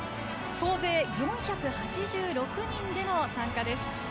総勢４８６人での参加です。